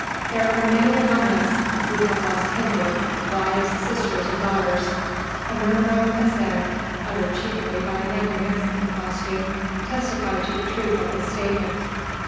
There are many among us who have lost kindred, wives, sisters, and daughters." A murmur of assent, uttered chiefly by men in Mexican costume, testified to the truth of this statement.